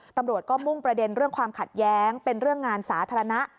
ตำรวจก็มุ่งประเด็นเรื่องความขัดแย้งเป็นเรื่องงานสาธารณะ